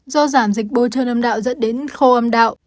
do giảm dịch bôi trơn âm đạo dẫn đến khô âm đạo